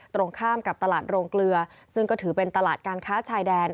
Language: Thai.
ตรงข้ามกับตลาดโรงเกลือซึ่งก็ถือเป็นตลาดการค้าชายแดน